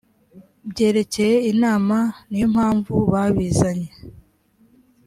byerekeye imana niyompamvu babizanye